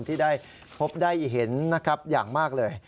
ที่ได้พบได้เห็นนะครับอย่างมากเลย